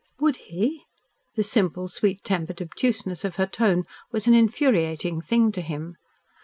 "Would he?" The simple, sweet tempered obtuseness of her tone was an infuriating thing to him.